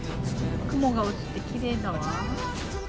雲が落ちてきれいだわ。